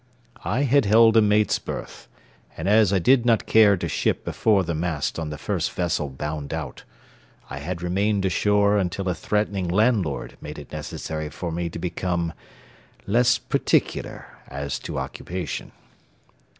I had held a mate's berth, and as I did not care to ship before the mast on the first vessel bound out, I had remained ashore until a threatening landlord made it necessary for me to become less particular as to occupation.